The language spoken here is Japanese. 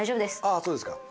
あそうですか。